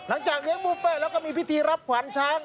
หลังจากเลี้ยงบุฟเฟ่แล้วก็มีพิธีรับขวัญช้าง